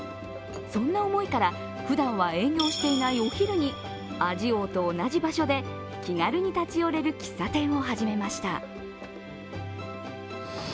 そんな思いから、ふだんは営業していないお昼に味王と同じ場所で気軽に立ち寄れる喫茶店を始めました。